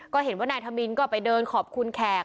ก็เห็นว่านายธมินก็ไปเดินขอบคุณแขก